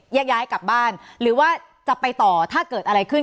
แยกย้ายกลับบ้านหรือว่าจะไปต่อถ้าเกิดอะไรขึ้น